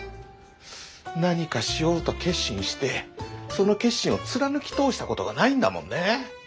何かしようと決心してその決心を貫き通したことがないんだもんね。